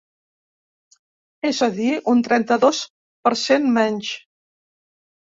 És a dir, un trenta-dos per cent menys.